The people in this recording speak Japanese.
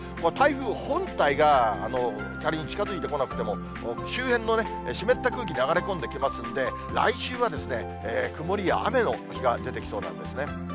台風本体が、仮に近づいてこなくても、周辺の湿った空気流れ込んできますんで、来週は曇りや雨の日が出てきそうなんですね。